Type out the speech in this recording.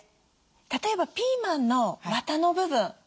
例えばピーマンのわたの部分。